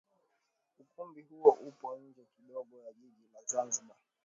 Ukumbi huo upo nje kidogo ya Jiji la Zanzibar